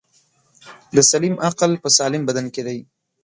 دسلیم عقل په سالم بدن کی دی.